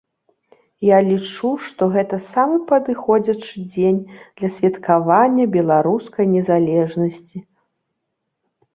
Я лічу, што гэта самы падыходзячы дзень для святкавання беларускай незалежнасці.